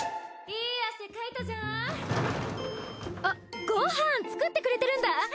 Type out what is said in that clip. あっごはん作ってくれてるんだ。